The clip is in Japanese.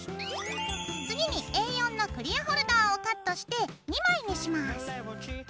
次にＡ４のクリアホルダーをカットして２枚にします。